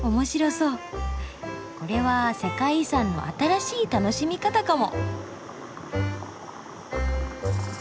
これは世界遺産の新しい楽しみ方かも。